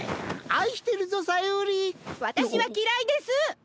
愛してるぞ私は嫌いです！